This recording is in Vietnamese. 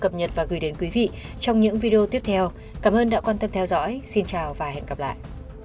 cảm ơn đã quan tâm theo dõi xin chào và hẹn gặp lại